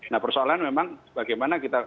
nah persoalan memang bagaimana kita